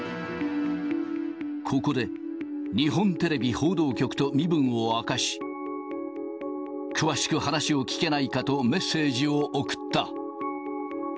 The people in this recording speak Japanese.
ここで、日本テレビ報道局と身分を明かし、詳しく話を聞けないかとメッセージを送った。